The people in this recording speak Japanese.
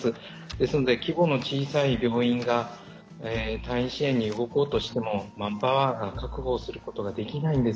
ですので規模の小さい病院が退院支援に動こうとしてもマンパワーが確保することができないんですね。